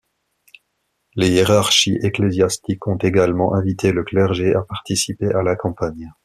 Les hiérarchies ecclésiastiques ont également invité le clergé à participer à la campagne.